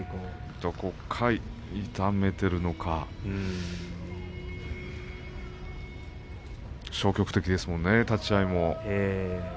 どこか痛めているのか消極的ですものね、立ち合いも。